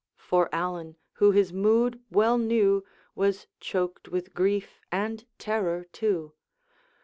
For Allan, who his mood well knew, Was choked with grief and terror too.